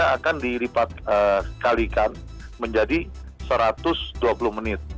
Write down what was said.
maka dilipat kalikan menjadi satu ratus dua puluh menit